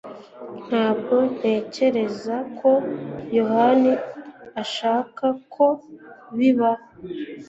Ntabwo ntekereza ko Yohani ashaka ko bibaho